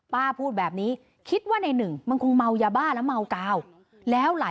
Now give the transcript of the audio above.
ป้าพูดแบบนี้คิดว่าในหนึ่งมันคงเมายาบ้าและเมากาว